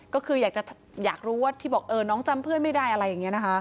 ก็คืออยากรู้ว่าที่บอกน้องจำเพื่อนไม่ได้อะไรอย่างนี้นะคะ